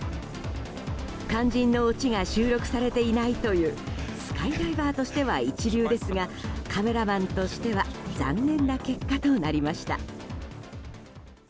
肝心のオチが収録されていないというスカイダイバーとしては一流ですがカメラマンとしては残念な結果となりました。